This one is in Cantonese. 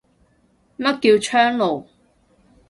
乜叫窗爐